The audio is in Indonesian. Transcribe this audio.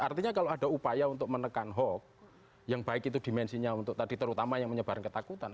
artinya kalau ada upaya untuk menekan hoax yang baik itu dimensinya untuk tadi terutama yang menyebarkan ketakutan